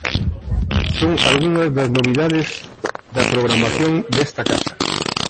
Son algunhas das novidades da programación desta casa.